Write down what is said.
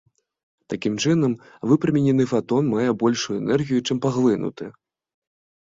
Такім чынам, выпраменены фатон мае большую энергію, чым паглынуты.